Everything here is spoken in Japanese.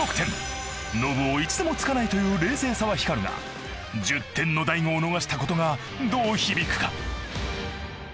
ノブを一度も突かないという冷静さは光るが１０点の大悟を逃したことがどう響くか？